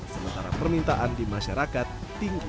sementara permintaan di masyarakat tinggi